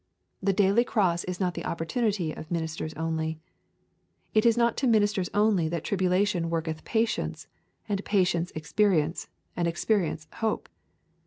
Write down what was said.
The daily cross is not the opportunity of ministers only. It is not to ministers only that tribulation worketh patience, and patience experience, and experience hope.